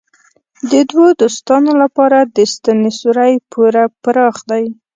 د دوو دوستانو لپاره د ستنې سوری پوره پراخ دی.